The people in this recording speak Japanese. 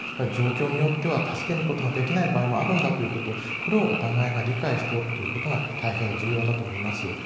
状況によっては、助けに行くことができない場合もあるんだということ、これをお互いが理解しておくということが大変重要だと思います。